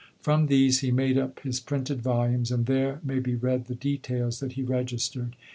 From these he made up his printed volumes, and there may be read the details that he registered.